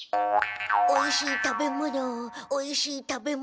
おいしい食べ物おいしい食べ物。